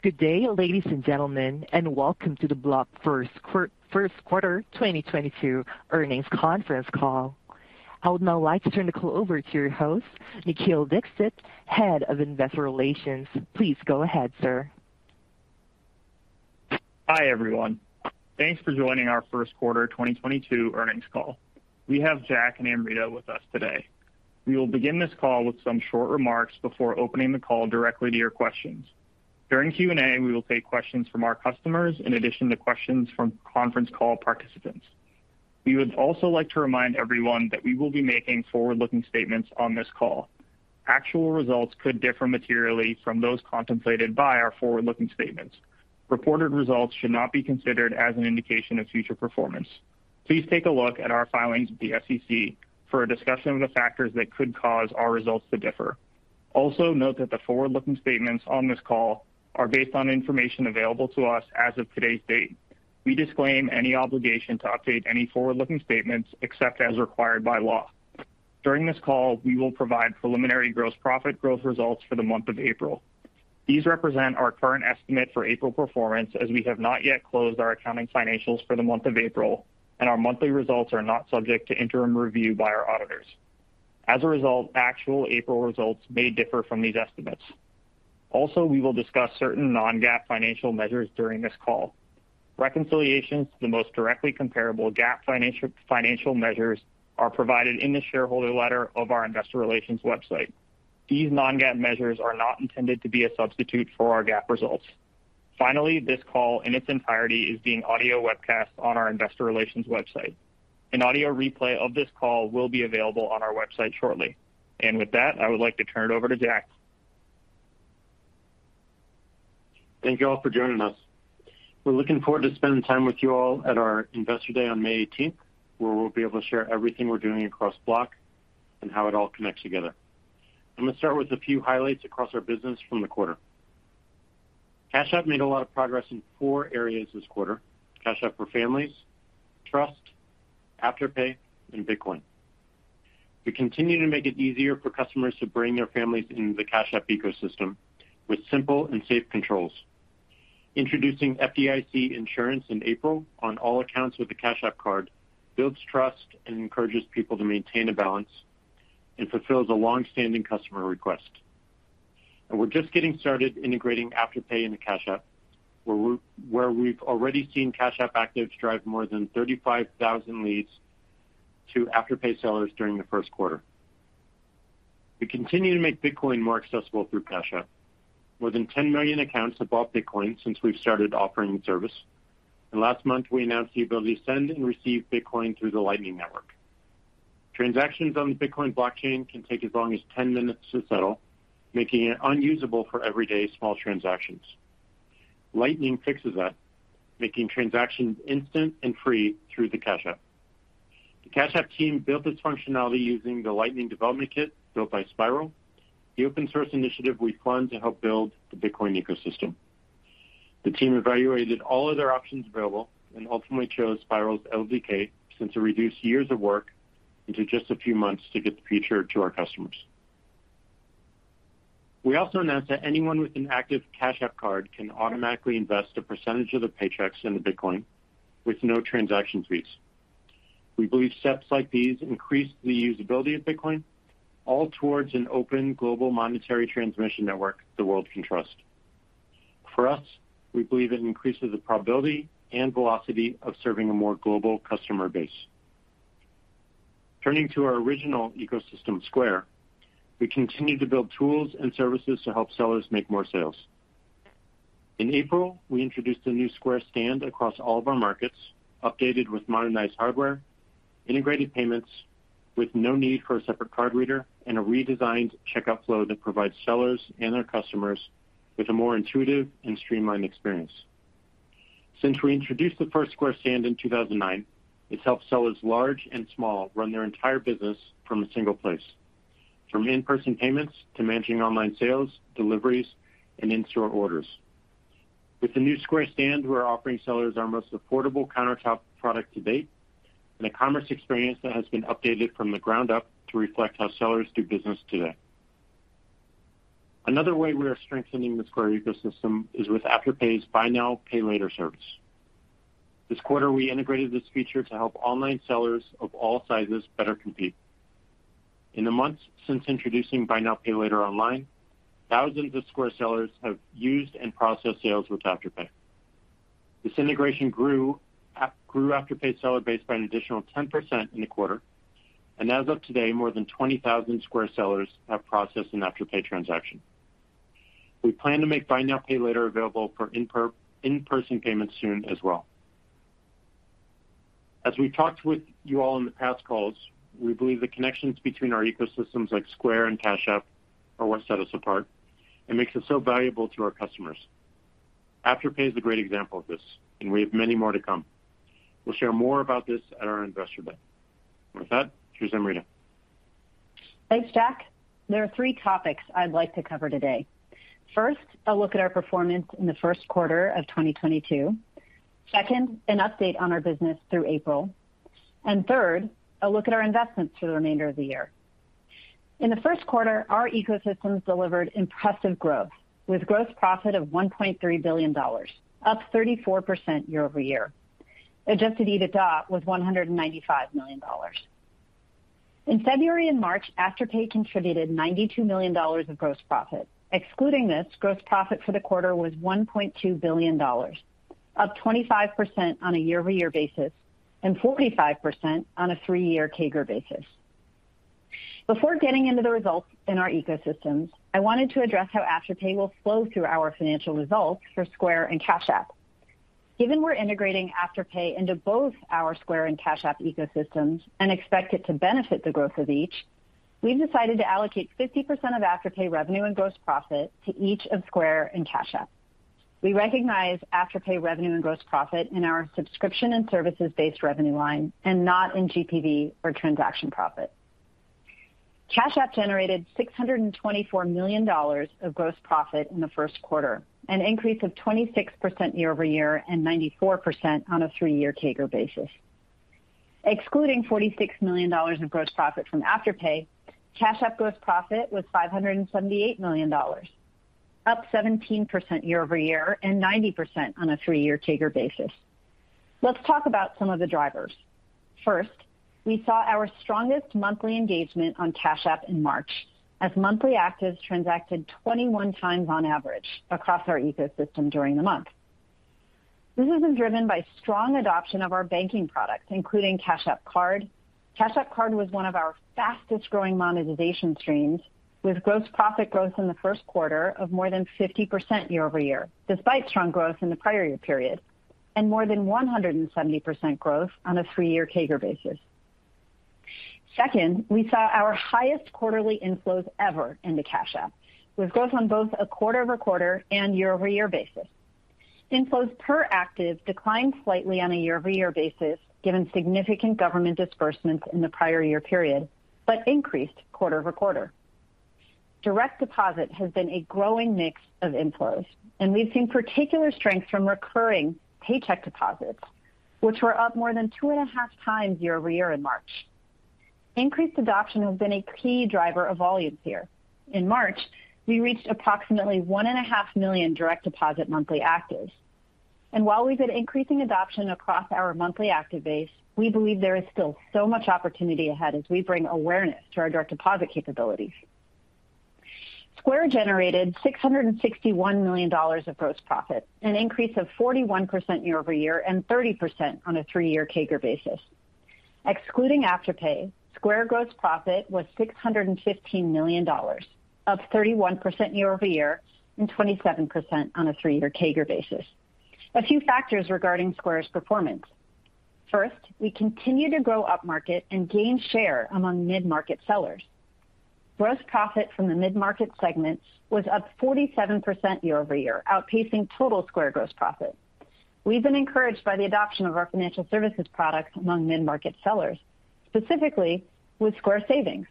Good day, ladies and gentlemen, and welcome to the Block Q1 2022 earnings conference call. I would now like to turn the call over to your host, Nikhil Dixit, Head of Investor Relations. Please go ahead, sir. Hi, everyone. Thanks for joining our Q1 2022 earnings call. We have Jack and Amrita with us today. We will begin this call with some short remarks before opening the call directly to your questions. During Q&A, we will take questions from our customers in addition to questions from conference call participants. We would also like to remind everyone that we will be making forward-looking statements on this call. Actual results could differ materially from those contemplated by our forward-looking statements. Reported results should not be considered as an indication of future performance. Please take a look at our filings with the SEC for a discussion of the factors that could cause our results to differ. Also, note that the forward-looking statements on this call are based on information available to us as of today's date. We disclaim any obligation to update any forward-looking statements except as required by law. During this call, we will provide preliminary gross profit growth results for the month of April. These represent our current estimate for April performance, as we have not yet closed our accounting financials for the month of April, and our monthly results are not subject to interim review by our auditors. As a result, actual April results may differ from these estimates. Also, we will discuss certain non-GAAP financial measures during this call. Reconciliations to the most directly comparable GAAP financial measures are provided in the shareholder letter on our investor relations website. These non-GAAP measures are not intended to be a substitute for our GAAP results. Finally, this call in its entirety is being audio webcast on our investor relations website. An audio replay of this call will be available on our website shortly. With that, I would like to turn it over to Jack. Thank you all for joining us. We're looking forward to spending time with you all at our Investor Day on May eighteenth, where we'll be able to share everything we're doing across Block and how it all connects together. I'm gonna start with a few highlights across our business from the quarter. Cash App made a lot of progress in four areas this quarter, Cash App for families, trust, Afterpay, and Bitcoin. We continue to make it easier for customers to bring their families into the Cash App ecosystem with simple and safe controls. Introducing FDIC insurance in April on all accounts with the Cash App Card builds trust and encourages people to maintain a balance and fulfills a long-standing customer request. We're just getting started integrating Afterpay into Cash App, where we've already seen Cash App actives drive more than 35,000 leads to Afterpay sellers during the Q1. We continue to make Bitcoin more accessible through Cash App. More than 10 million accounts have bought Bitcoin since we've started offering the service. Last month, we announced the ability to send and receive Bitcoin through the Lightning Network. Transactions on the Bitcoin blockchain can take as long as 10 minutes to settle, making it unusable for everyday small transactions. Lightning fixes that, making transactions instant and free through the Cash App. The Cash App team built this functionality using the Lightning Development Kit built by Spiral, the open-source initiative we fund to help build the Bitcoin ecosystem. The team evaluated all other options available and ultimately chose Spiral's LDK since it reduced years of work into just a few months to get the feature to our customers. We also announced that anyone with an active Cash App Card can automatically invest a percentage of their paychecks into Bitcoin with no transaction fees. We believe steps like these increase the usability of Bitcoin, all towards an open global monetary transmission network the world can trust. For us, we believe it increases the probability and velocity of serving a more global customer base. Turning to our original ecosystem, Square, we continue to build tools and services to help sellers make more sales. In April, we introduced a new Square Stand across all of our markets, updated with modernized hardware, integrated payments with no need for a separate card reader, and a redesigned checkout flow that provides sellers and their customers with a more intuitive and streamlined experience. Since we introduced the first Square Stand in 2009, it's helped sellers large and small run their entire business from a single place, from in-person payments to managing online sales, deliveries, and in-store orders. With the new Square Stand, we're offering sellers our most affordable countertop product to date and a commerce experience that has been updated from the ground up to reflect how sellers do business today. Another way we are strengthening the Square ecosystem is with Afterpay's Buy Now, Pay Later service. This quarter, we integrated this feature to help online sellers of all sizes better compete. In the months since introducing Buy Now, Pay Later online, thousands of Square sellers have used and processed sales with Afterpay. This integration grew Afterpay's seller base by an additional 10% in the quarter. As of today, more than 20,000 Square sellers have processed an Afterpay transaction. We plan to make Buy Now, Pay Later available for in-person payments soon as well. As we've talked with you all in the past calls, we believe the connections between our ecosystems like Square and Cash App are what set us apart and makes us so valuable to our customers. Afterpay is a great example of this, and we have many more to come. We'll share more about this at our Investor Day. With that, here's Amrita. Thanks, Jack. There are three topics I'd like to cover today. First, a look at our performance in the Q1 of 2022. Second, an update on our business through April. Third, a look at our investments for the remainder of the year. In the Q1, our ecosystems delivered impressive growth with gross profit of $1.3 billion, up 34% year-over-year. Adjusted EBITDA was $195 million. In February and March, Afterpay contributed $92 million of gross profit. Excluding this, gross profit for the quarter was $1.2 billion, up 25% on a year-over-year basis, and 45% on a three-year CAGR basis. Before getting into the results in our ecosystems, I wanted to address how Afterpay will flow through our financial results for Square and Cash App. Given we're integrating Afterpay into both our Square and Cash App ecosystems and expect it to benefit the growth of each, we've decided to allocate 50% of Afterpay revenue and gross profit to each of Square and Cash App. We recognize Afterpay revenue and gross profit in our subscription and services-based revenue line and not in GPV or transaction profit. Cash App generated $624 million of gross profit in the Q1, an increase of 26% year-over-year and 94% on a three-year CAGR basis. Excluding $46 million of gross profit from Afterpay, Cash App gross profit was $578 million, up 17% year-over-year and 90% on a three-year CAGR basis. Let's talk about some of the drivers. First, we saw our strongest monthly engagement on Cash App in March as monthly actives transacted 21 times on average across our ecosystem during the month. This has been driven by strong adoption of our banking products, including Cash App Card. Cash App Card was one of our fastest-growing monetization streams, with gross profit growth in the Q1 of more than 50% year-over-year, despite strong growth in the prior year period and more than 170% growth on a three-year CAGR basis. Second, we saw our highest quarterly inflows ever into Cash App with growth on both a quarter-over-quarter and year-over-year basis. Inflows per active declined slightly on a year-over-year basis given significant government disbursements in the prior year period, but increased quarter-over-quarter. Direct deposit has been a growing mix of inflows, and we've seen particular strength from recurring paycheck deposits, which were up more than 2.5 times year-over-year in March. Increased adoption has been a key driver of volumes here. In March, we reached approximately 1.5 million direct deposit monthly actives. While we've had increasing adoption across our monthly active base, we believe there is still so much opportunity ahead as we bring awareness to our direct deposit capabilities. Square generated $661 million of gross profit, an increase of 41% year-over-year and 30% on a three-year CAGR basis. Excluding Afterpay, Square gross profit was $615 million, up 31% year-over-year and 27% on a three-year CAGR basis. A few factors regarding Square's performance. First, we continue to grow upmarket and gain share among mid-market sellers. Gross profit from the mid-market segment was up 47% year-over-year, outpacing total Square gross profit. We've been encouraged by the adoption of our financial services products among mid-market sellers, specifically with Square Savings.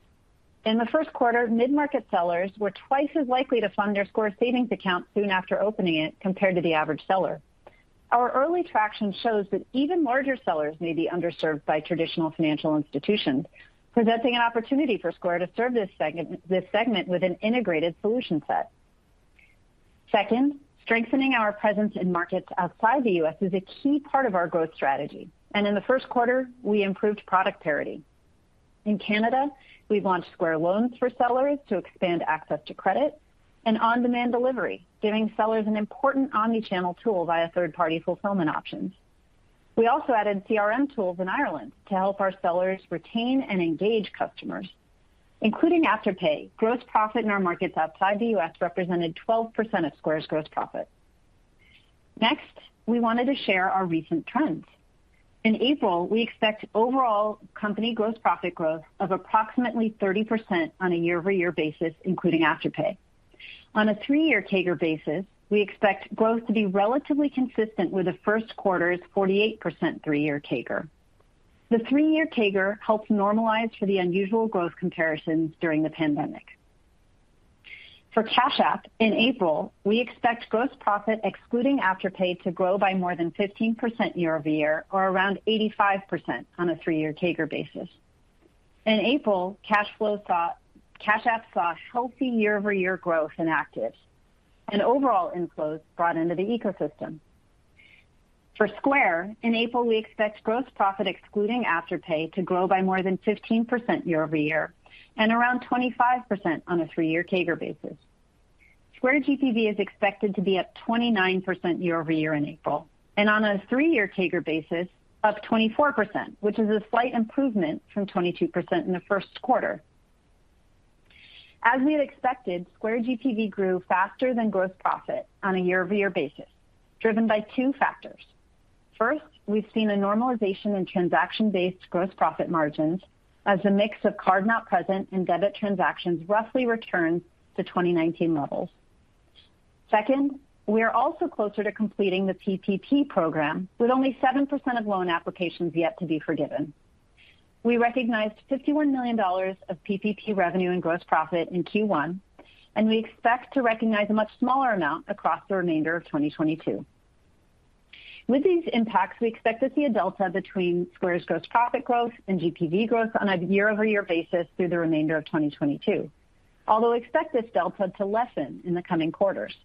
In the Q1, mid-market sellers were twice as likely to fund their Square Savings account soon after opening it compared to the average seller. Our early traction shows that even larger sellers may be underserved by traditional financial institutions, presenting an opportunity for Square to serve this segment with an integrated solution set. Second, strengthening our presence in markets outside the U.S. is a key part of our growth strategy, and in the Q1, we improved product parity. In Canada, we've launched Square Loans for sellers to expand access to credit and on-demand delivery, giving sellers an important omni-channel tool via third-party fulfillment options. We also added CRM tools in Ireland to help our sellers retain and engage customers. Including Afterpay, gross profit in our markets outside the U.S. represented 12% of Square's gross profit. Next, we wanted to share our recent trends. In April, we expect overall company gross profit growth of approximately 30% on a year-over-year basis, including Afterpay. On a three-year CAGR basis, we expect growth to be relatively consistent with the Q1's 48% three-year CAGR. The three-year CAGR helps normalize for the unusual growth comparisons during the pandemic. For Cash App, in April, we expect gross profit excluding Afterpay to grow by more than 15% year-over-year or around 85% on a three-year CAGR basis. In April, Cash App saw healthy year-over-year growth in actives and overall inflows brought into the ecosystem. For Square, in April, we expect gross profit excluding Afterpay to grow by more than 15% year-over-year and around 25% on a three-year CAGR basis. Square GPV is expected to be up 29% year-over-year in April and on a three-year CAGR basis, up 24%, which is a slight improvement from 22% in the Q1. As we had expected, Square GPV grew faster than gross profit on a year-over-year basis, driven by two factors. First, we've seen a normalization in transaction-based gross profit margins as the mix of card-not-present and debit transactions roughly return to 2019 levels. Second, we are also closer to completing the PPP program, with only 7% of loan applications yet to be forgiven. We recognized $51 million of PPP revenue and gross profit in Q1, and we expect to recognize a much smaller amount across the remainder of 2022. With these impacts, we expect to see a delta between Square's gross profit growth and GPV growth on a year-over-year basis through the remainder of 2022. Although expect this delta to lessen in the coming quarters.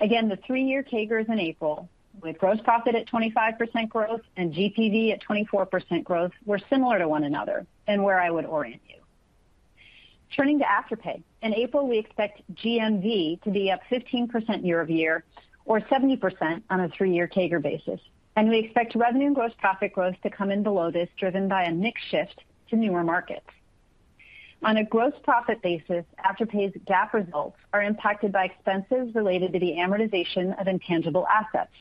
Again, the three-year CAGRs in April with gross profit at 25% growth and GPV at 24% growth were similar to one another and where I would orient you. Turning to Afterpay. In April, we expect GMV to be up 15% year-over-year or 70% on a three-year CAGR basis, and we expect revenue and gross profit growth to come in below this, driven by a mix shift to newer markets. On a gross profit basis, Afterpay's GAAP results are impacted by expenses related to the amortization of intangible assets,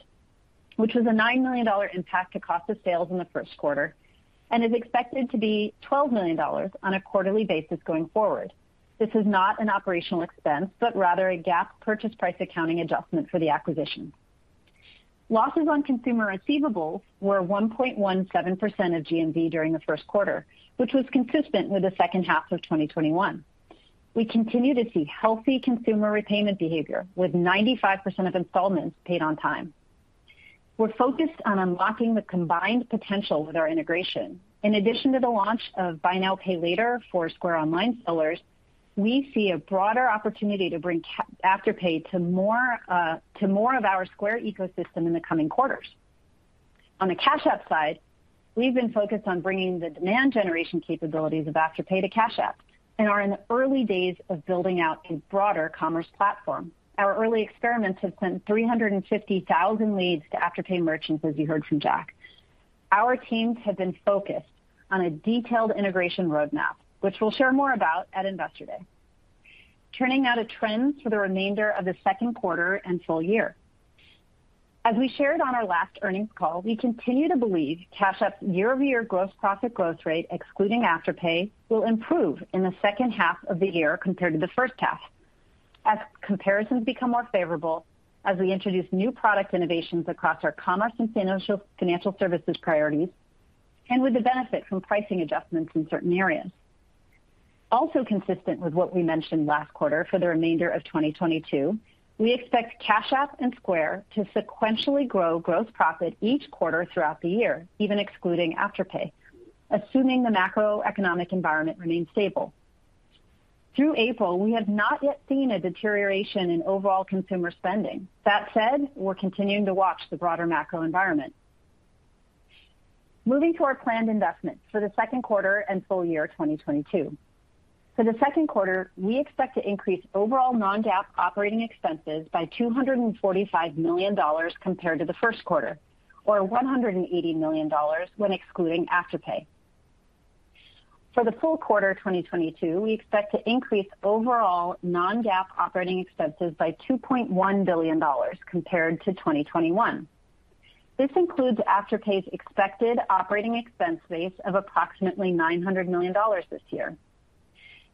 which was a $9 million impact to cost of sales in the Q1 and is expected to be $12 million on a quarterly basis going forward. This is not an operational expense, but rather a GAAP purchase price accounting adjustment for the acquisition. Losses on consumer receivables were 1.17% of GMV during the Q1, which was consistent with the second half of 2021. We continue to see healthy consumer repayment behavior with 95% of installments paid on time. We're focused on unlocking the combined potential with our integration. In addition to the launch of Buy Now, Pay Later for Square online sellers, we see a broader opportunity to bring Afterpay to more of our Square ecosystem in the coming quarters. On the Cash App side, we've been focused on bringing the demand generation capabilities of Afterpay to Cash App and are in the early days of building out a broader commerce platform. Our early experiments have sent 350,000 leads to Afterpay merchants, as you heard from Jack. Our teams have been focused on a detailed integration roadmap, which we'll share more about at Investor Day. Turning now to trends for the remainder of the Q2 and full year. As we shared on our last earnings call, we continue to believe Cash App year-over-year gross profit growth rate, excluding Afterpay, will improve in the second half of the year compared to the first half as comparisons become more favorable, as we introduce new product innovations across our commerce and financial services priorities, and with the benefit from pricing adjustments in certain areas. Also consistent with what we mentioned last quarter, for the remainder of 2022, we expect Cash App and Square to sequentially grow gross profit each quarter throughout the year, even excluding Afterpay, assuming the macroeconomic environment remains stable. Through April, we have not yet seen a deterioration in overall consumer spending. That said, we're continuing to watch the broader macro environment. Moving to our planned investments for the Q2 and full year 2022. For the Q2, we expect to increase overall non-GAAP operating expenses by $245 million compared to the Q1, or $180 million when excluding Afterpay. For the full year 2022, we expect to increase overall non-GAAP operating expenses by $2.1 billion compared to 2021. This includes Afterpay's expected operating expense base of approximately $900 million this year.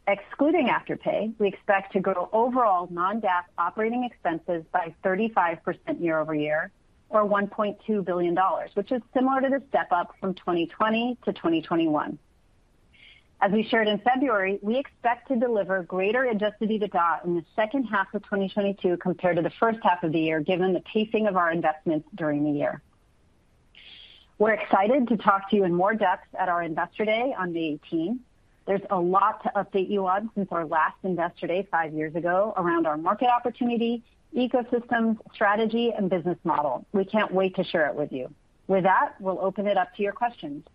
Excluding Afterpay, we expect to grow overall non-GAAP operating expenses by 35% year-over-year or $1.2 billion, which is similar to the step-up from 2020 to 2021. As we shared in February, we expect to deliver greater adjusted EBITDA in the second half of 2022 compared to the first half of the year, given the pacing of our investments during the year. We're excited to talk to you in more depth at our Investor Day on May eighteenth. There's a lot to update you on since our last Investor Day five years ago around our market opportunity, ecosystem, strategy, and business model. We can't wait to share it with you. With that, we'll open it up to your questions.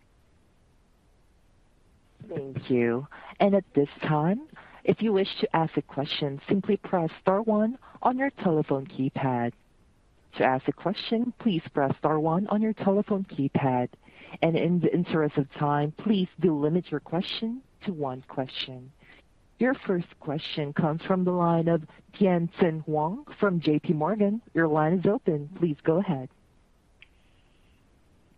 Thank you. At this time, if you wish to ask a question, simply press star one on your telephone keypad. To ask a question, please press star one on your telephone keypad. In the interest of time, please do limit your question to one question. Your first question comes from the line of Tien-Tsin Huang from JPMorgan. Your line is open. Please go ahead.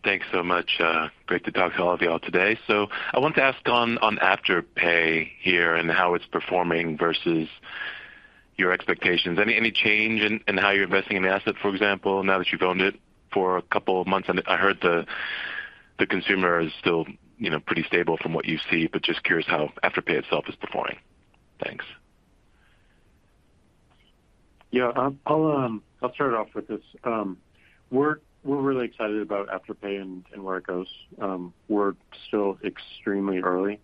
Thanks so much. Great to talk to all of you all today. I want to ask on Afterpay here and how it's performing versus your expectations. Any change in how you're investing in the asset, for example, now that you've owned it for a couple of months? I heard the consumer is still, you know, pretty stable from what you see, but just curious how Afterpay itself is performing. Thanks. Yeah, I'll start off with this. We're really excited about Afterpay and where it goes. We're still extremely early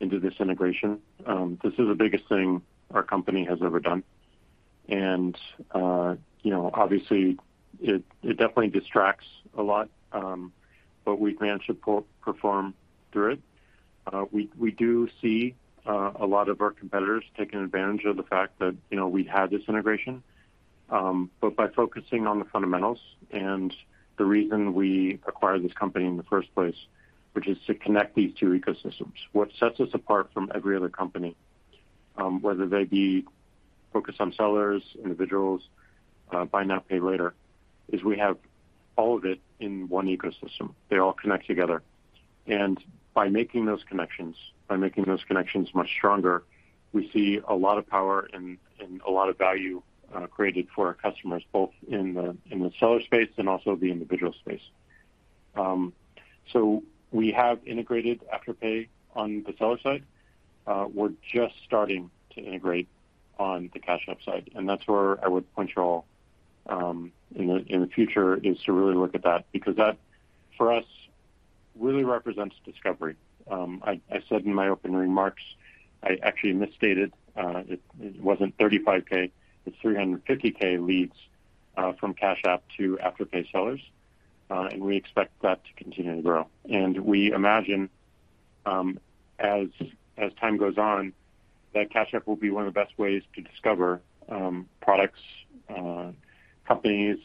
into this integration. This is the biggest thing our company has ever done. You know, obviously it definitely distracts a lot, but we plan to perform through it. We do see a lot of our competitors taking advantage of the fact that, you know, we had this integration. By focusing on the fundamentals and the reason we acquired this company in the first place, which is to connect these two ecosystems. What sets us apart from every other company, whether they be focused on sellers, individuals, Buy Now, Pay Later, is we have all of it in one ecosystem. They all connect together. By making those connections much stronger, we see a lot of power and a lot of value created for our customers, both in the seller space and also the individual space. We have integrated Afterpay on the seller side. We're just starting to integrate on the Cash App side, and that's where I would point you all in the future is to really look at that because that, for us, really represents discovery. I said in my opening remarks, I actually misstated it wasn't 35K, it's 350K leads from Cash App to Afterpay sellers, and we expect that to continue to grow. We imagine as time goes on, that Cash App will be one of the best ways to discover products, companies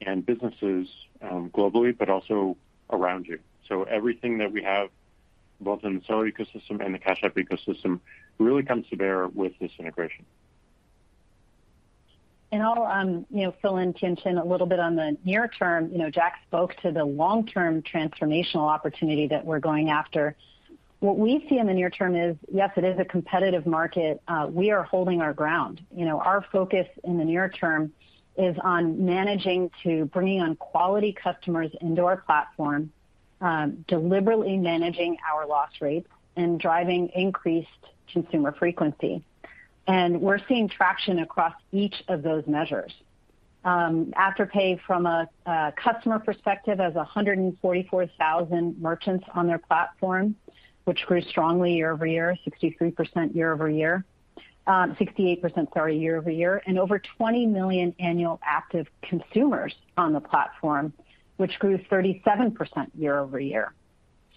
and businesses globally, but also around you. Everything that we have, both in the seller ecosystem and the Cash App ecosystem, really comes to bear with this integration. I'll fill in the interim a little bit on the near term. You know, Jack spoke to the long-term transformational opportunity that we're going after. What we see in the near term is, yes, it is a competitive market. We are holding our ground. You know, our focus in the near term is on managing to bringing on quality customers into our platform, deliberately managing our loss rates and driving increased consumer frequency. We're seeing traction across each of those measures. Afterpay from a customer perspective has 144,000 merchants on their platform, which grew strongly year-over-year, 63% year-over-year, 68% year-over-year. Over 20 million annual active consumers on the platform, which grew 37% year-over-year.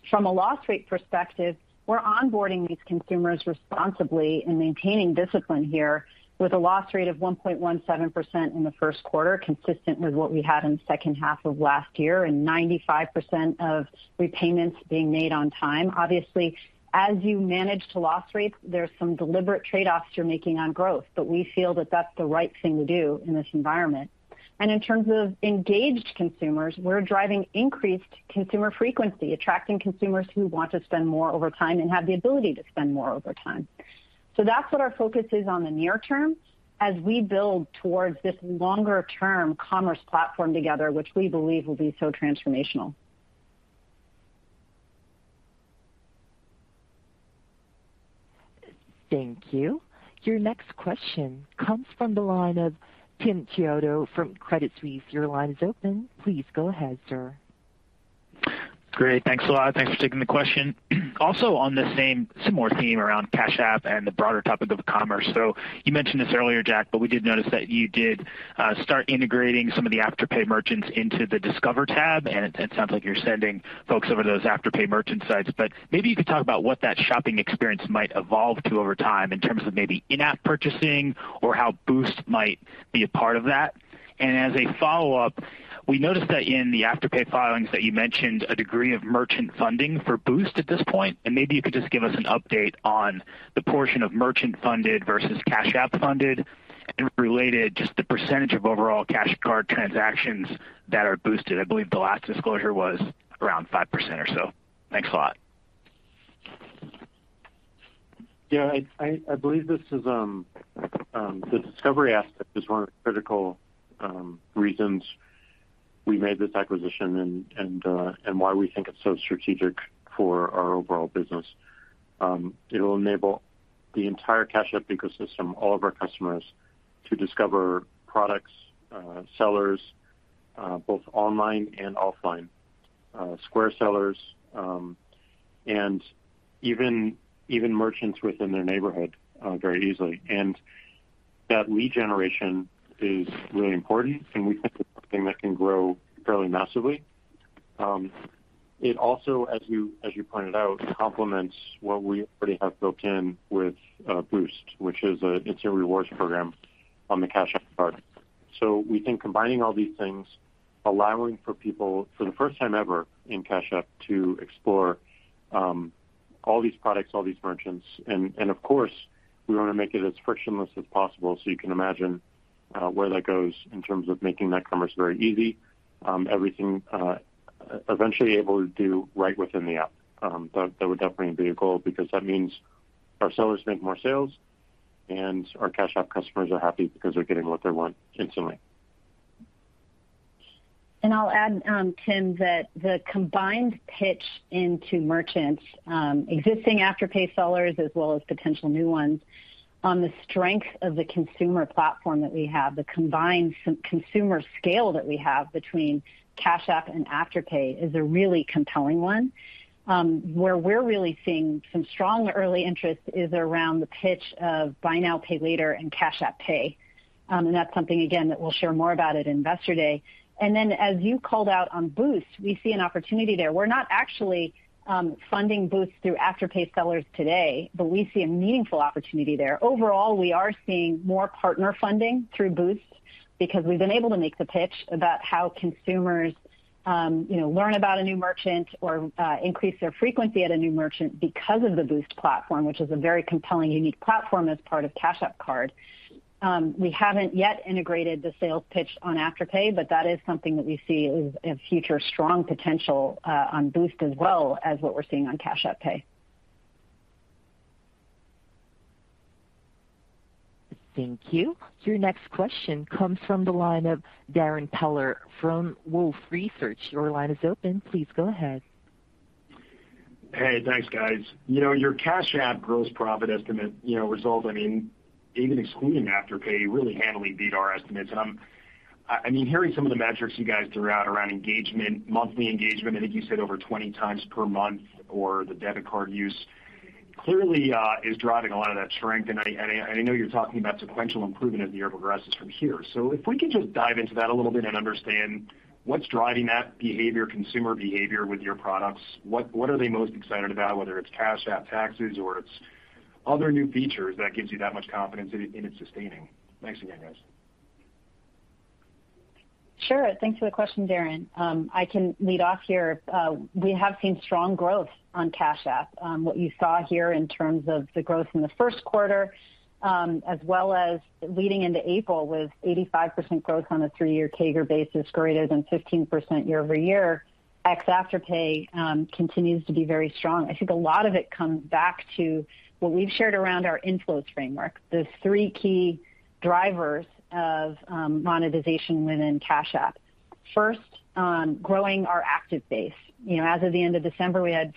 From a loss rate perspective, we're onboarding these consumers responsibly and maintaining discipline here with a loss rate of 1.17% in the Q1, consistent with what we had in the second half of last year, and 95% of repayments being made on time. Obviously, as you manage to loss rates, there's some deliberate trade-offs you're making on growth, but we feel that that's the right thing to do in this environment. In terms of engaged consumers, we're driving increased consumer frequency, attracting consumers who want to spend more over time and have the ability to spend more over time. That's what our focus is on the near term as we build towards this longer-term commerce platform together, which we believe will be so transformational. Thank you. Your next question comes from the line of Timothy Chiodo from Credit Suisse. Your line is open. Please go ahead, sir. Great. Thanks a lot. Thanks for taking the question. Also on the same similar theme around Cash App and the broader topic of commerce. You mentioned this earlier, Jack, but we did notice that you did start integrating some of the Afterpay merchants into the Discover tab, and it sounds like you're sending folks over to those Afterpay merchant sites. Maybe you could talk about what that shopping experience might evolve to over time in terms of maybe in-app purchasing or how Boost might be a part of that. As a follow-up, we noticed that in the Afterpay filings that you mentioned a degree of merchant funding for Boost at this point, and maybe you could just give us an update on the portion of merchant-funded versus Cash App-funded and related just the percentage of overall Cash Card transactions that are boosted. I believe the last disclosure was around 5% or so. Thanks a lot. Yeah. I believe this is the discovery aspect is one of the critical reasons we made this acquisition and why we think it's so strategic for our overall business. It'll enable the entire Cash App ecosystem, all of our customers, to discover products, sellers, both online and offline, Square sellers, and even merchants within their neighborhood very easily. That lead generation is really important, and we think it's something that can grow fairly massively. It also, as you pointed out, complements what we already have built in with Boost, which is a rewards program on the Cash App card. We think combining all these things, allowing for people for the first time ever in Cash App to explore all these products, all these merchants, and of course, we wanna make it as frictionless as possible, so you can imagine where that goes in terms of making that commerce very easy. Everything eventually able to do right within the app. That would definitely be a goal because that means our sellers make more sales and our Cash App customers are happy because they're getting what they want instantly. I'll add, Tim, that the combined pitch into merchants, existing Afterpay sellers as well as potential new ones on the strength of the consumer platform that we have, the combined consumer scale that we have between Cash App and Afterpay is a really compelling one. Where we're really seeing some strong early interest is around the pitch of Buy Now, Pay Later and Cash App Pay. That's something again that we'll share more about at Investor Day. As you called out on Boost, we see an opportunity there. We're not actually funding Boost through Afterpay sellers today, but we see a meaningful opportunity there. Overall, we are seeing more partner funding through Boost because we've been able to make the pitch about how consumers learn about a new merchant or increase their frequency at a new merchant because of the Boost platform, which is a very compelling, unique platform as part of Cash App Card. We haven't yet integrated the sales pitch on Afterpay, but that is something that we see as a future strong potential on Boost as well as what we're seeing on Cash App Pay. Thank you. Your next question comes from the line of Darrin Peller from Wolfe Research. Your line is open. Please go ahead. Hey, thanks, guys. You know, your Cash App gross profit estimate, you know, result, I mean, even excluding Afterpay, really handily beat our estimates. I'm I mean hearing some of the metrics you guys threw out around engagement, monthly engagement, I think you said over 20 times per month or the debit card use clearly is driving a lot of that strength. I know you're talking about sequential improvement as the year progresses from here. If we can just dive into that a little bit and understand what's driving that behavior, consumer behavior with your products, what are they most excited about, whether it's Cash App Taxes or it's other new features that gives you that much confidence in it sustaining? Thanks again, guys. Sure. Thanks for the question, Darrin. I can lead off here. We have seen strong growth on Cash App. What you saw here in terms of the growth in the Q1, as well as leading into April with 85% growth on a three-year CAGR basis, greater than 15% year-over-year ex Afterpay, continues to be very strong. I think a lot of it comes back to what we've shared around our inflows framework, those three key drivers of monetization within Cash App. First, growing our active base. You know, as of the end of December, we had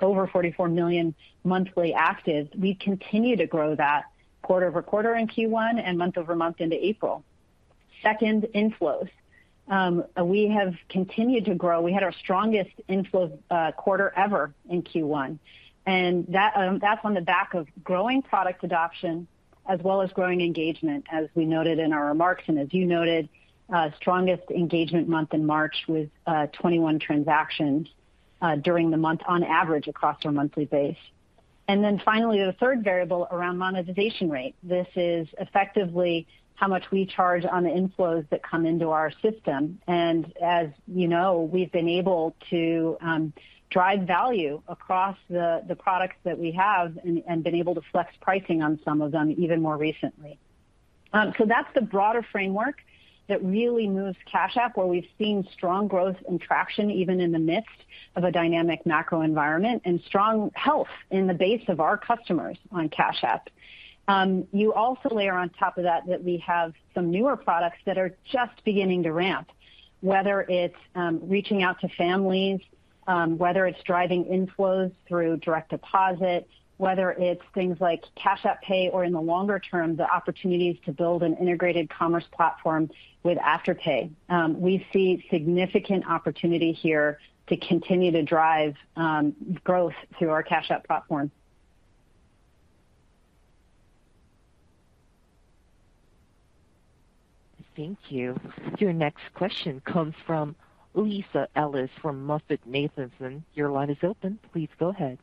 over 44 million monthly actives. We continue to grow that quarter-over-quarter in Q1 and month-over-month into April. Second, inflows. We have continued to grow. We had our strongest inflow, quarter ever in Q1, and that's on the back of growing product adoption as well as growing engagement, as we noted in our remarks and as you noted, strongest engagement month in March with 21 transactions during the month on average across our monthly base. Then finally, the third variable around monetization rate. This is effectively how much we charge on the inflows that come into our system. As you know, we've been able to drive value across the products that we have and been able to flex pricing on some of them even more recently. That's the broader framework that really moves Cash App, where we've seen strong growth and traction even in the midst of a dynamic macro environment and strong health in the base of our customers on Cash App. You also layer on top of that we have some newer products that are just beginning to ramp, whether it's reaching out to families, whether it's driving inflows through direct deposit, whether it's things like Cash App Pay or in the longer term, the opportunities to build an integrated commerce platform with Afterpay. We see significant opportunity here to continue to drive growth through our Cash App platform. Thank you. Your next question comes from Lisa Ellis from MoffettNathanson. Your line is open. Please go ahead.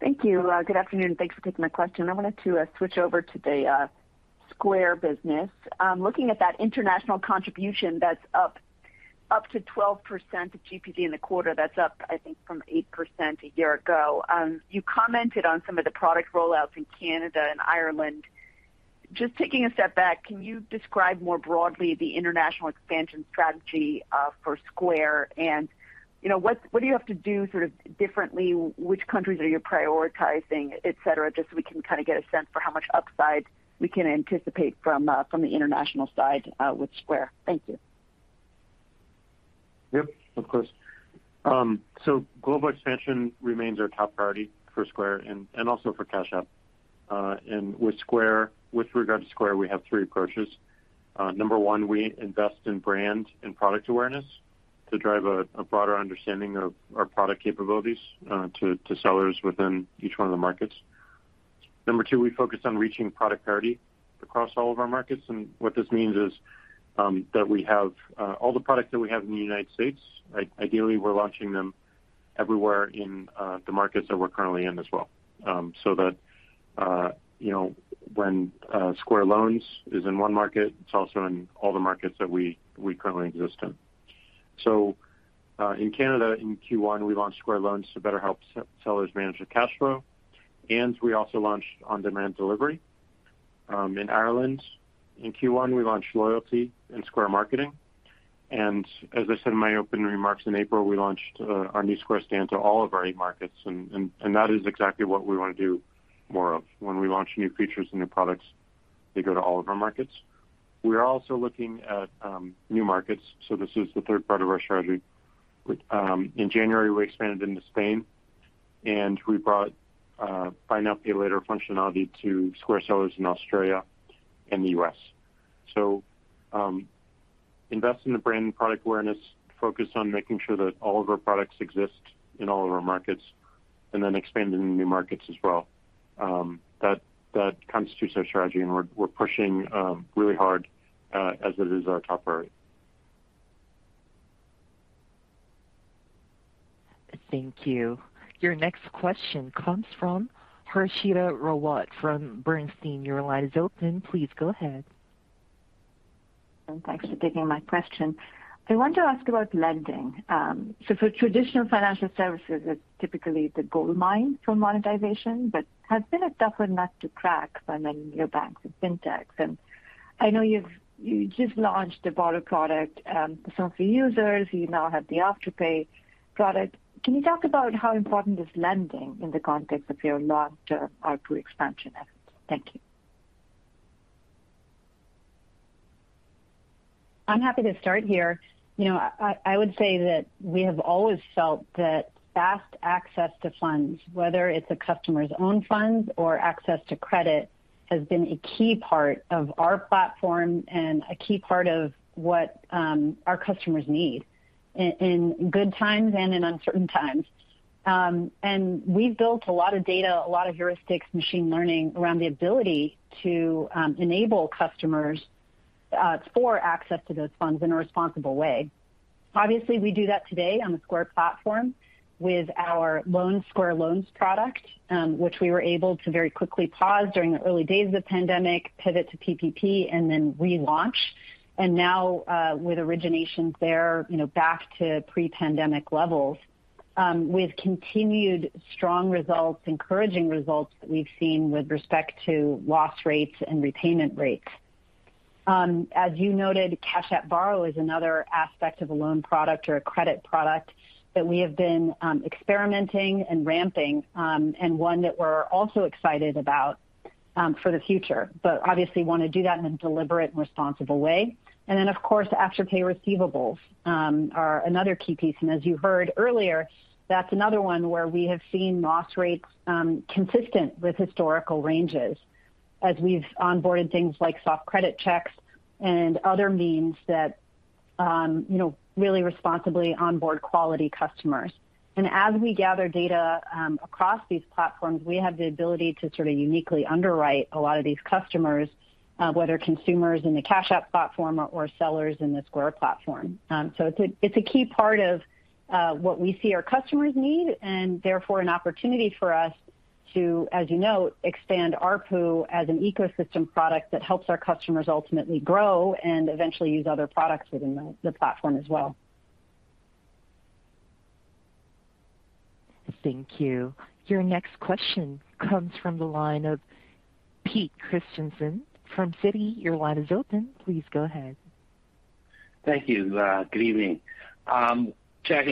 Thank you. Good afternoon. Thanks for taking my question. I wanted to switch over to the Square business. Looking at that international contribution that's up to 12% of GPV in the quarter, that's up I think from 8% a year ago. You commented on some of the product rollouts in Canada and Ireland. Just taking a step back, can you describe more broadly the international expansion strategy for Square? You know, what do you have to do sort of differently? Which countries are you prioritizing, et cetera, just so we can kinda get a sense for how much upside we can anticipate from the international side with Square. Thank you. Yep, of course. Global expansion remains our top priority for Square and also for Cash App. With regard to Square, we have three approaches. Number one, we invest in brand and product awareness to drive a broader understanding of our product capabilities to sellers within each one of the markets. Number two, we focus on reaching product parity across all of our markets. What this means is that we have all the products that we have in the United States, ideally, we're launching them everywhere in the markets that we're currently in as well. That you know, when Square Loans is in one market, it's also in all the markets that we currently exist in. In Canada, in Q1, we launched Square Loans to better help sellers manage their cash flow, and we also launched on-demand delivery. In Ireland in Q1, we launched Square Loyalty and Square Marketing. As I said in my opening remarks, in April, we launched our new Square Stand to all of our eight markets, and that is exactly what we wanna do more of. When we launch new features and new products, they go to all of our markets. We're also looking at new markets, so this is the third part of our strategy. In January, we expanded into Spain, and we brought buy now, pay later functionality to Square sellers in Australia and the U.S. Invest in the brand and product awareness, focus on making sure that all of our products exist in all of our markets, and then expanding into new markets as well. That constitutes our strategy, and we're pushing really hard, as it is our top priority. Thank you. Your next question comes from Harshita Rawat from Bernstein. Your line is open. Please go ahead. Thanks for taking my question. I want to ask about lending. For traditional financial services, it's typically the goldmine for monetization, but has been a tougher nut to crack by many neobanks and fintechs. I know you just launched Cash App Borrow. Some of your users, you now have the Afterpay product. Can you talk about how important is lending in the context of your long-term ARPU expansion efforts? Thank you. I'm happy to start here. You know, I would say that we have always felt that fast access to funds, whether it's a customer's own funds or access to credit, has been a key part of our platform and a key part of what our customers need in good times and in uncertain times. We've built a lot of data, a lot of heuristics, machine learning around the ability to enable customers for access to those funds in a responsible way. Obviously, we do that today on the Square platform with our Square Loans product, which we were able to very quickly pause during the early days of the pandemic, pivot to PPP, and then relaunch. Now, with originations there, you know, back to pre-pandemic levels, with continued strong results, encouraging results that we've seen with respect to loss rates and repayment rates. As you noted, Cash App Borrow is another aspect of a loan product or a credit product that we have been experimenting and ramping, and one that we're also excited about for the future. Obviously want to do that in a deliberate and responsible way. Then, of course, Afterpay receivables are another key piece. As you heard earlier, that's another one where we have seen loss rates consistent with historical ranges as we've onboarded things like soft credit checks and other means that, you know, really responsibly onboard quality customers. As we gather data across these platforms, we have the ability to sort of uniquely underwrite a lot of these customers, whether consumers in the Cash App platform or sellers in the Square platform. It's a key part of what we see our customers need and therefore an opportunity for us to, as you know, expand ARPU as an ecosystem product that helps our customers ultimately grow and eventually use other products within the platform as well. Thank you. Your next question comes from the line of Pete Christiansen from Citi. Your line is open. Please go ahead. Thank you. Good evening. Jack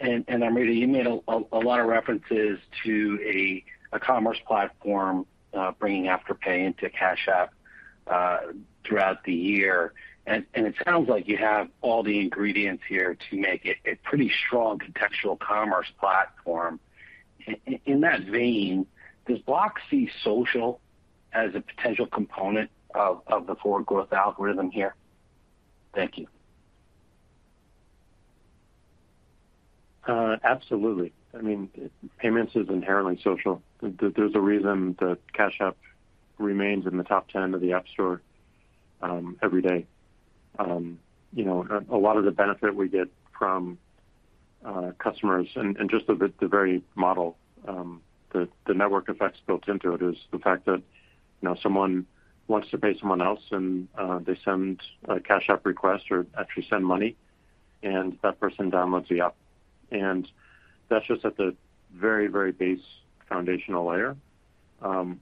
and Amrita, you made a lot of references to a commerce platform, bringing Afterpay into Cash App, throughout the year. It sounds like you have all the ingredients here to make it a pretty strong contextual commerce platform. In that vein, does Block see social as a potential component of the forward growth algorithm here? Thank you. Absolutely. I mean, payments is inherently social. There's a reason that Cash App remains in the top ten of the App Store every day. You know, a lot of the benefit we get from customers and just the very model, the network effects built into it is the fact that, you know, someone wants to pay someone else and they send a Cash App request or actually send money, and that person downloads the app. That's just at the very base foundational layer.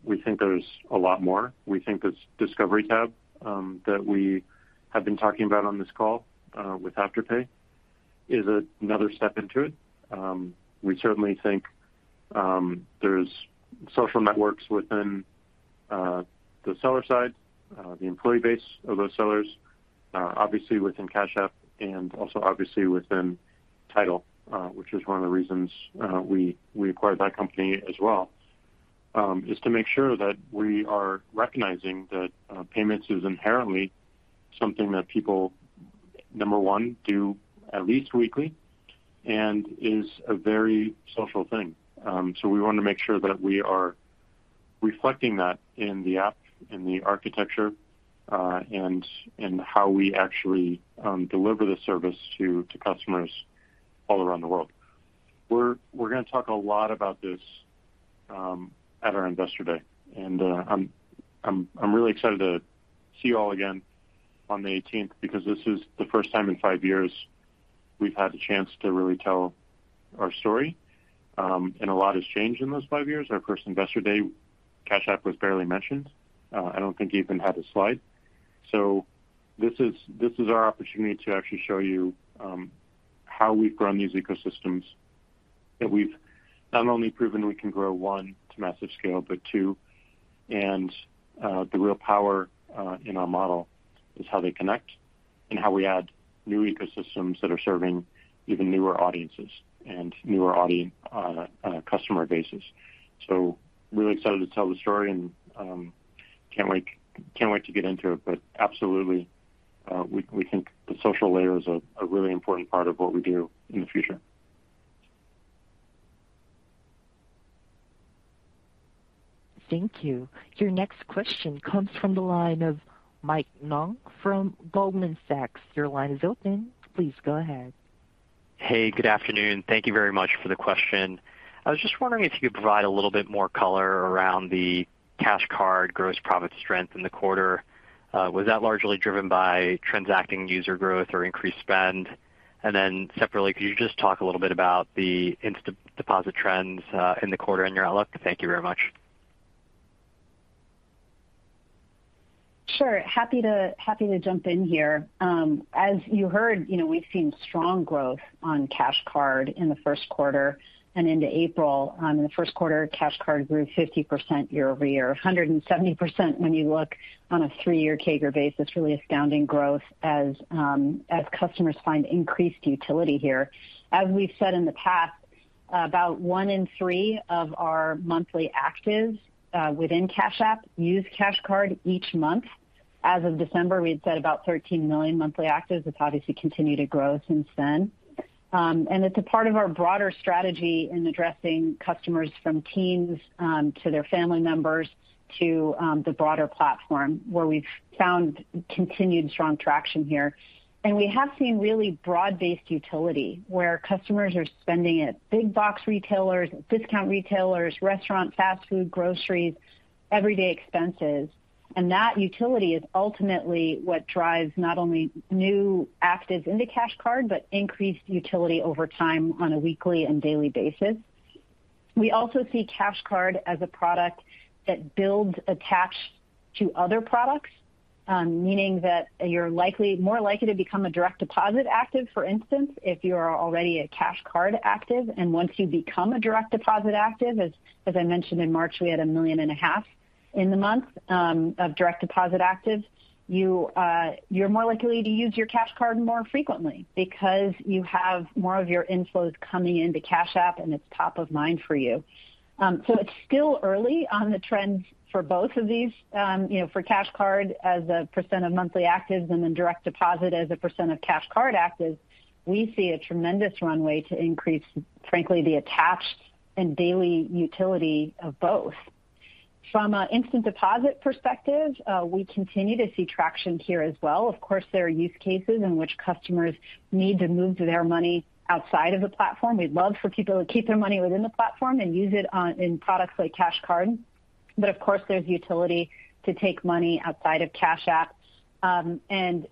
We think there's a lot more. We think this Discover tab that we have been talking about on this call with Afterpay is another step into it. We certainly think there's social networks within the seller side, the employee base of those sellers, obviously within Cash App and also obviously within Tidal, which is one of the reasons we acquired that company as well, is to make sure that we are recognizing that payments is inherently something that people, number one, do at least weekly and is a very social thing. So we wanna make sure that we are reflecting that in the app, in the architecture, and how we actually deliver the service to customers all around the world. We're gonna talk a lot about this at our Investor Day. I'm really excited to see you all again on the eighteenth because this is the first time in five years we've had the chance to really tell our story. A lot has changed in those five years. Our first Investor Day, Cash App was barely mentioned. I don't think it even had a slide. This is our opportunity to actually show you how we've grown these ecosystems, that we've not only proven we can grow, one, to massive scale, but two, the real power in our model is how they connect and how we add new ecosystems that are serving even newer audiences and newer customer bases. Really excited to tell the story and can't wait to get into it. Absolutely, we think the social layer is a really important part of what we do in the future. Thank you. Your next question comes from the line of Mike Ng from Goldman Sachs. Your line is open. Please go ahead. Hey, good afternoon. Thank you very much for the question. I was just wondering if you could provide a little bit more color around the Cash Card gross profit strength in the quarter. Was that largely driven by transacting user growth or increased spend? Separately, could you just talk a little bit about the instant deposit trends in the quarter and your outlook? Thank you very much. Sure. Happy to jump in here. As you heard, you know, we've seen strong growth on Cash Card in the Q1 and into April. In the Q1, Cash Card grew 50% year-over-year, 170% when you look on a three-year CAGR basis. Really astounding growth as customers find increased utility here. As we've said in the past. About 1/3 of our monthly actives within Cash App use Cash Card each month. As of December, we had said about 13 million monthly actives. It's obviously continued to grow since then. It's a part of our broader strategy in addressing customers from teens to their family members to the broader platform where we've found continued strong traction here. We have seen really broad-based utility where customers are spending at big box retailers, discount retailers, restaurants, fast food, groceries, everyday expenses. That utility is ultimately what drives not only new actives into Cash Card, but increased utility over time on a weekly and daily basis. We also see Cash Card as a product that builds attachment to other products, meaning that you're more likely to become a direct deposit active, for instance, if you are already a Cash Card active. Once you become a direct deposit active, as I mentioned, in March, we had 1.5 million in the month of direct deposit actives. You're more likely to use your Cash Card more frequently because you have more of your inflows coming into Cash App, and it's top of mind for you. It's still early on the trends for both of these, you know, for Cash App Card as a percent of monthly actives and then direct deposit as a percent of Cash App Card actives. We see a tremendous runway to increase, frankly, the attached and daily utility of both. From an instant deposit perspective, we continue to see traction here as well. Of course, there are use cases in which customers need to move their money outside of the platform. We'd love for people to keep their money within the platform and use it in products like Cash App Card. Of course, there's utility to take money outside of Cash App.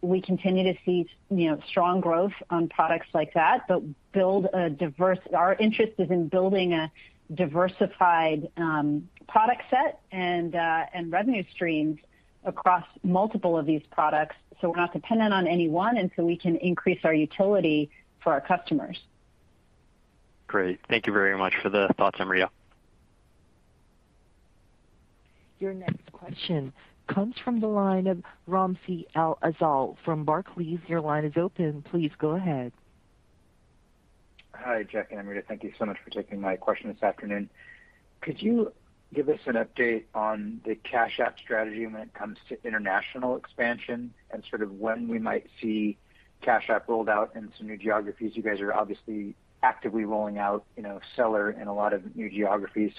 We continue to see, you know, strong growth on products like that. Our interest is in building a diversified product set and revenue streams across multiple of these products, so we're not dependent on any one, and so we can increase our utility for our customers. Great. Thank you very much for the thoughts, Amrita. Your next question comes from the line of Ramsey El-Assal from Barclays. Your line is open. Please go ahead. Hi, Jack and Amrita. Thank you so much for taking my question this afternoon. Could you give us an update on the Cash App strategy when it comes to international expansion and sort of when we might see Cash App rolled out in some new geographies? You guys are obviously actively rolling out, you know, Seller in a lot of new geographies.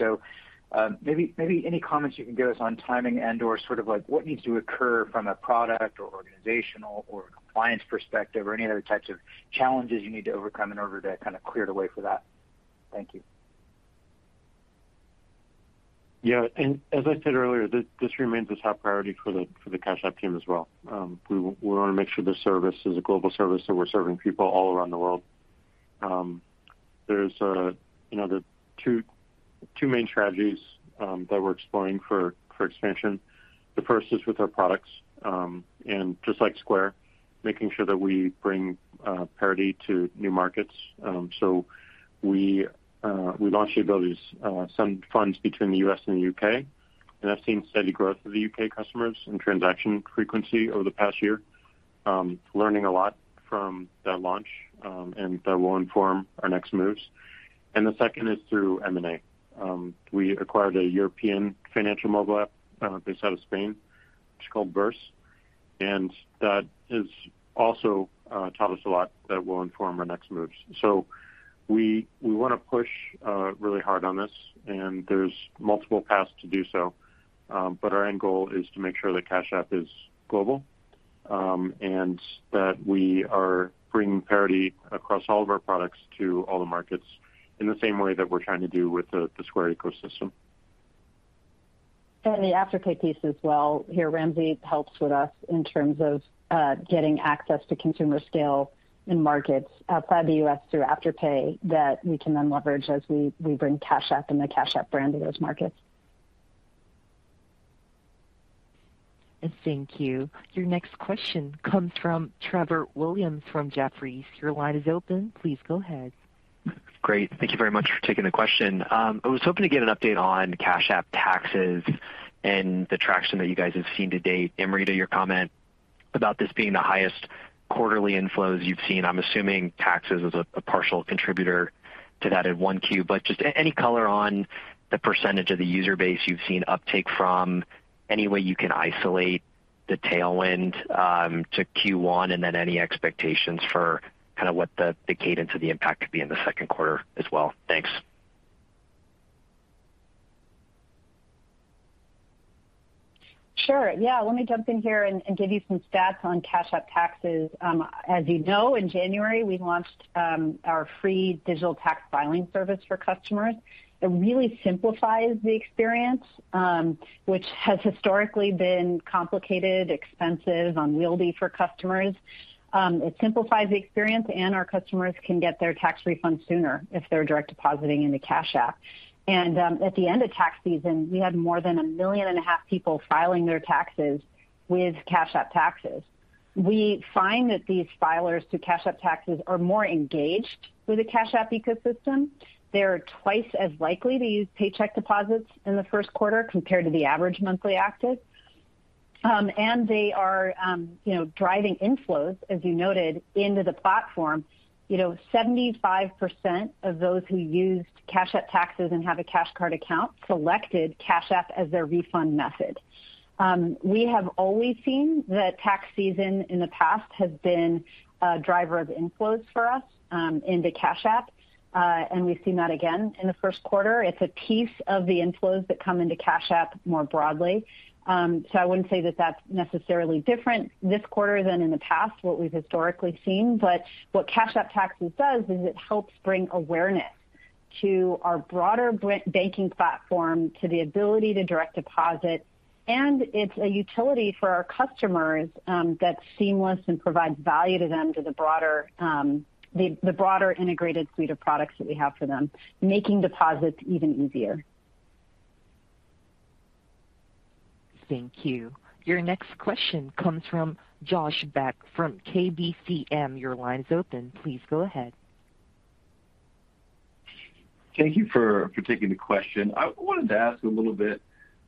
Maybe any comments you can give us on timing and/or sort of like what needs to occur from a product or organizational or compliance perspective or any other types of challenges you need to overcome in order to kind of clear the way for that. Thank you. Yeah. As I said earlier, this remains a top priority for the Cash App team as well. We wanna make sure this service is a global service, so we're serving people all around the world. There's you know the two main strategies that we're exploring for expansion. The first is with our products and just like Square, making sure that we bring parity to new markets. So we launched ability to send funds between the U.S. and the U.K., and I've seen steady growth of the U.K. customers and transaction frequency over the past year. Learning a lot from that launch and that will inform our next moves. The second is through M&A. We acquired a European financial mobile app, based out of Spain, which is called Verse, and that has also taught us a lot that will inform our next moves. We wanna push really hard on this, and there's multiple paths to do so. Our end goal is to make sure that Cash App is global, and that we are bringing parity across all of our products to all the markets in the same way that we're trying to do with the Square ecosystem. The Afterpay piece as well here, Ramsey helps us in terms of getting access to consumer scale in markets outside the U.S. through Afterpay that we can then leverage as we bring Cash App and the Cash App brand to those markets. Thank you. Your next question comes from Trevor Williams from Jefferies. Your line is open. Please go ahead. Great. Thank you very much for taking the question. I was hoping to get an update on Cash App Taxes and the traction that you guys have seen to date. Amrita, your comment about this being the highest quarterly inflows you've seen. I'm assuming taxes is a partial contributor to that in 1Q. Just any color on the percentage of the user base you've seen uptake from, any way you can isolate the tailwind to Q1, and then any expectations for kinda what the cadence of the impact could be in the Q2 as well. Thanks. Sure. Yeah. Let me jump in here and give you some stats on Cash App Taxes. As you know, in January, we launched our free digital tax filing service for customers. It really simplifies the experience, which has historically been complicated, expensive, unwieldy for customers. It simplifies the experience, and our customers can get their tax refund sooner if they're direct depositing into Cash App. At the end of tax season, we had more than 1.5 million people filing their taxes with Cash App Taxes. We find that these filers to Cash App Taxes are more engaged with the Cash App ecosystem. They are twice as likely to use paycheck deposits in the Q1 compared to the average monthly active. They are, you know, driving inflows, as you noted, into the platform. You know, 75% of those who used Cash App Taxes and have a Cash App Card account selected Cash App as their refund method. We have always seen that tax season in the past has been a driver of inflows for us, into Cash App. We've seen that again in the Q1. It's a piece of the inflows that come into Cash App more broadly. I wouldn't say that that's necessarily different this quarter than in the past, what we've historically seen. What Cash App Taxes does is it helps bring awareness to our broader banking platform, to the ability to direct deposit. It's a utility for our customers, that's seamless and provides value to them, to the broader integrated suite of products that we have for them, making deposits even easier. Thank you. Your next question comes from Josh Beck from KBCM. Your line is open. Please go ahead. Thank you for taking the question. I wanted to ask a little bit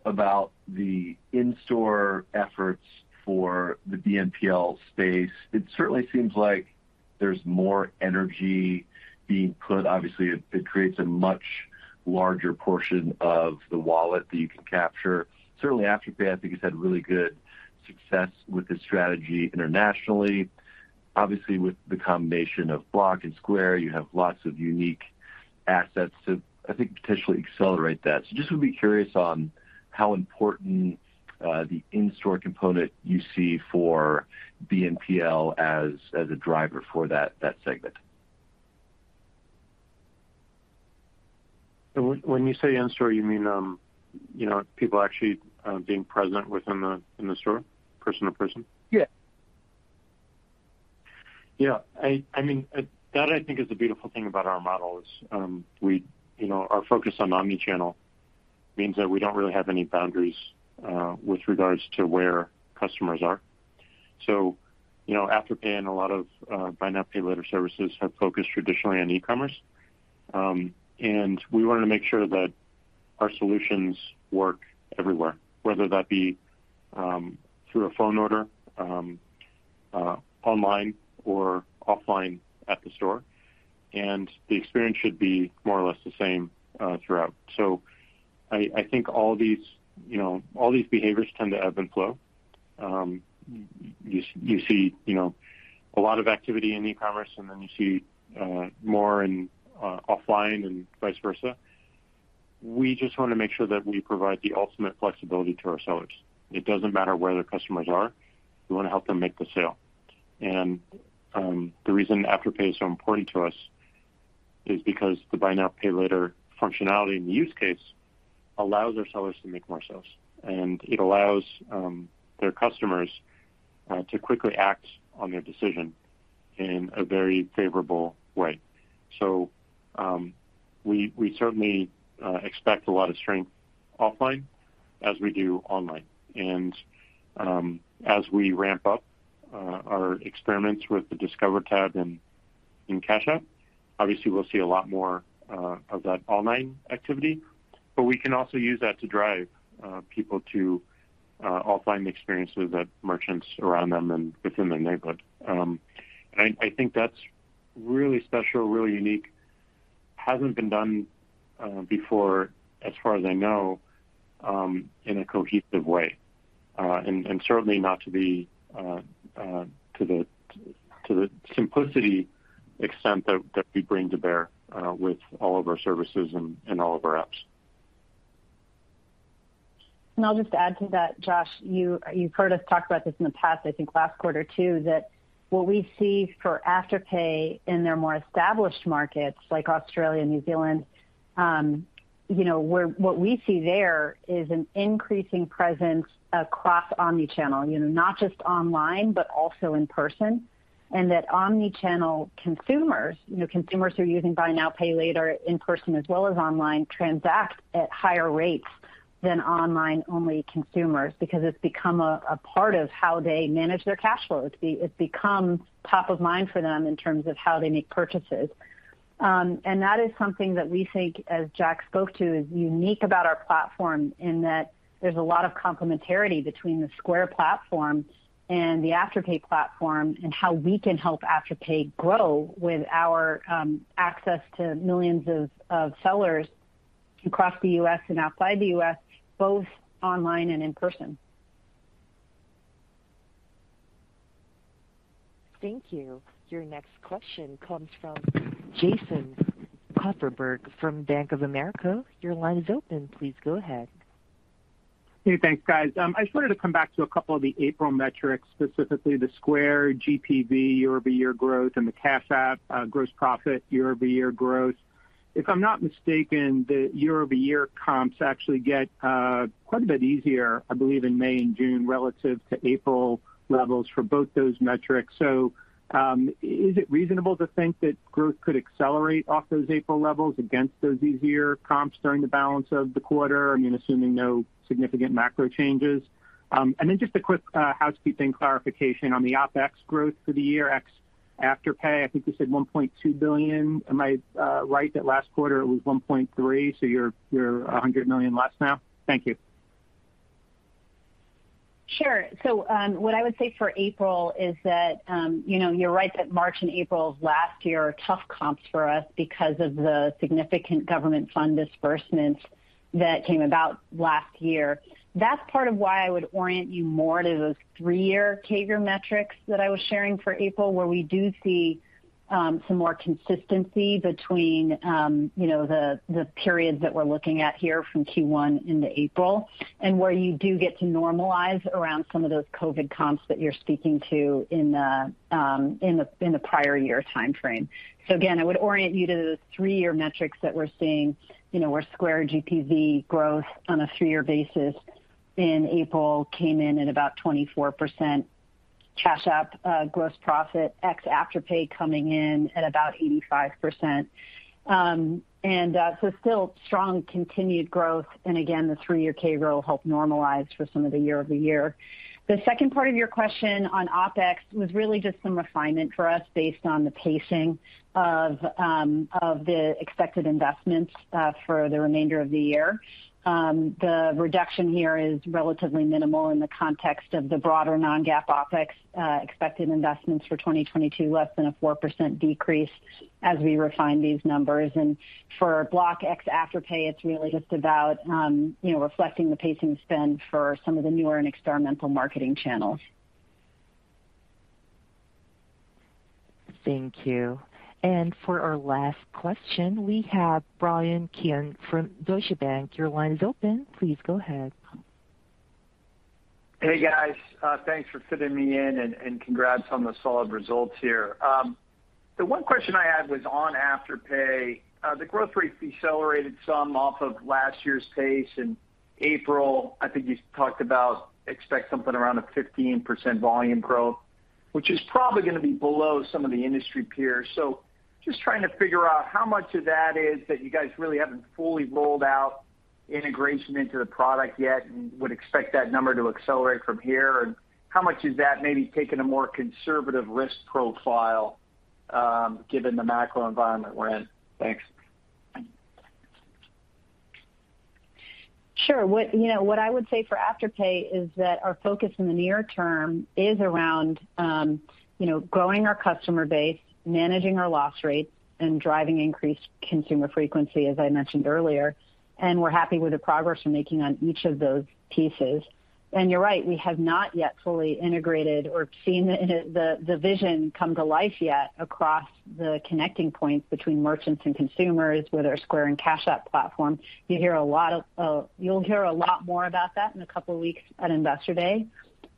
about the in-store efforts for the BNPL space. It certainly seems like there's more energy being put. Obviously, it creates a much larger portion of the wallet that you can capture. Certainly, Afterpay, I think, has had really good success with this strategy internationally. Obviously, with the combination of Block and Square, you have lots of unique assets to, I think, potentially accelerate that. Just would be curious on how important the in-store component you see for BNPL as a driver for that segment. When you say in-store, you mean, you know, people actually being present within the store? Person to person? Yeah. Yeah. I mean, that I think is the beautiful thing about our model. Our focus on omni-channel means that we don't really have any boundaries with regards to where customers are. Afterpay and a lot of buy now, pay later services have focused traditionally on e-commerce. We wanna make sure that our solutions work everywhere, whether that be through a phone order, online or offline at the store. The experience should be more or less the same throughout. I think all these behaviors tend to ebb and flow. You see a lot of activity in e-commerce, and then you see more in offline and vice versa. We just wanna make sure that we provide the ultimate flexibility to our sellers. It doesn't matter where their customers are. We wanna help them make the sale. The reason Afterpay is so important to us is because the buy now, pay later functionality and use case allows our sellers to make more sales, and it allows their customers to quickly act on their decision in a very favorable way. We certainly expect a lot of strength offline as we do online. As we ramp up our experiments with the Discover tab in Cash App, obviously we'll see a lot more of that online activity. We can also use that to drive people to offline experiences at merchants around them and within their neighborhood. I think that's really special, really unique. Hasn't been done before, as far as I know, in a cohesive way. Certainly not to the simplicity extent that we bring to bear with all of our services and all of our apps. I'll just add to that, Josh. You've heard us talk about this in the past, I think last quarter too, that what we see for Afterpay in their more established markets like Australia and New Zealand, you know, where what we see there is an increasing presence across omni-channel, you know, not just online but also in person. That omni-channel consumers, you know, consumers who are using buy now, pay later in person as well as online, transact at higher rates than online-only consumers because it's become a part of how they manage their cash flow. It's become top of mind for them in terms of how they make purchases. That is something that we think, as Jack spoke to, is unique about our platform in that there's a lot of complementarity between the Square platform and the Afterpay platform, and how we can help Afterpay grow with our access to millions of sellers across the U.S. and outside the U.S., both online and in person. Thank you. Your next question comes from Jason Kupferberg from Bank of America. Your line is open. Please go ahead. Hey, thanks, guys. I just wanted to come back to a couple of the April metrics, specifically the Square GPV year-over-year growth and the Cash App gross profit year-over-year growth. If I'm not mistaken, the year-over-year comps actually get quite a bit easier, I believe, in May and June relative to April levels for both those metrics. Is it reasonable to think that growth could accelerate off those April levels against those easier comps during the balance of the quarter? I mean, assuming no significant macro changes. Just a quick housekeeping clarification on the OpEx growth for the year, ex-Afterpay, I think you said $1.2 billion. Am I right that last quarter it was $1.3 billion, so you're $100 million less now? Thank you. Sure. What I would say for April is that, you know, you're right that March and April of last year are tough comps for us because of the significant government fund disbursements that came about last year. That's part of why I would orient you more to those three-year CAGR metrics that I was sharing for April, where we do see some more consistency between, you know, the periods that we're looking at here from Q1 into April, and where you do get to normalize around some of those COVID comps that you're speaking to in the prior year timeframe. Again, I would orient you to the three-year metrics that we're seeing, you know, where Square GPV growth on a three-year basis in April came in at about 24%. Cash App gross profit ex Afterpay coming in at about 85%. Still strong continued growth. Again, the three-year CAGR will help normalize for some of the year-over-year. The second part of your question on OpEx was really just some refinement for us based on the pacing of the expected investments for the remainder of the year. The reduction here is relatively minimal in the context of the broader non-GAAP OpEx expected investments for 2022, less than a 4% decrease as we refine these numbers. For Block ex Afterpay, it's really just about, you know, reflecting the pacing spend for some of the newer and experimental marketing channels. Thank you. For our last question, we have Bryan Keane from Deutsche Bank. Your line is open. Please go ahead. Hey, guys. Thanks for fitting me in and congrats on the solid results here. The one question I had was on Afterpay. The growth rate's decelerated some off of last year's pace. In April, I think you talked about expect something around 15% volume growth, which is probably gonna be below some of the industry peers. Just trying to figure out how much of that is that you guys really haven't fully rolled out integration into the product yet and would expect that number to accelerate from here? How much is that maybe taking a more conservative risk profile, given the macro environment we're in? Thanks. Sure. You know what I would say for Afterpay is that our focus in the near term is around, you know, growing our customer base, managing our loss rates, and driving increased consumer frequency, as I mentioned earlier, and we're happy with the progress we're making on each of those pieces. You're right, we have not yet fully integrated or seen the vision come to life yet across the connecting points between merchants and consumers with our Square and Cash App platform. You'll hear a lot more about that in a couple weeks at Investor Day.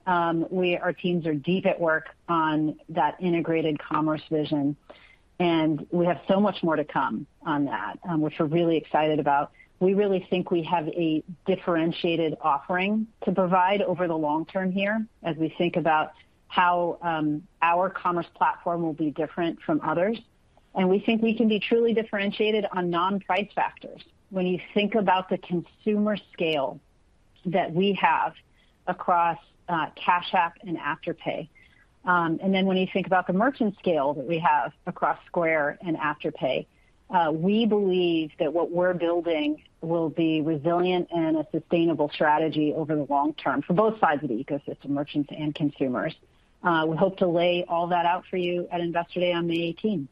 Our teams are deep at work on that integrated commerce vision, and we have so much more to come on that, which we're really excited about. We really think we have a differentiated offering to provide over the long term here as we think about how our commerce platform will be different from others. We think we can be truly differentiated on non-price factors. When you think about the consumer scale that we have across Cash App and Afterpay, and then when you think about the merchant scale that we have across Square and Afterpay, we believe that what we're building will be resilient and a sustainable strategy over the long term for both sides of the ecosystem, merchants and consumers. We hope to lay all that out for you at Investor Day on May eighteenth.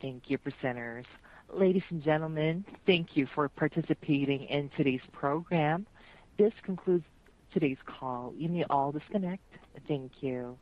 Thank you, presenters. Ladies and gentlemen, thank you for participating in today's program. This concludes today's call. You may all disconnect. Thank you.